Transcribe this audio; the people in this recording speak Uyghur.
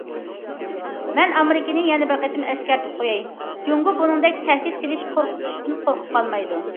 مەن ئامېرىكىنى يەنە بىر قېتىم ئەسكەرتىپ قوياي، جۇڭگو بۇنىڭدەك تەھدىت سېلىش، قورقۇتۇشتىن قورقۇپ قالمايدۇ.